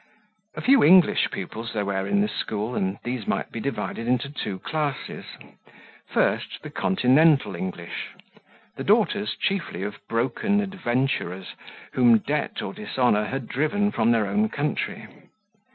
A few English pupils there were in this school, and these might be divided into two classes. 1st. The continental English the daughters chiefly of broken adventurers, whom debt or dishonour had driven from their own country.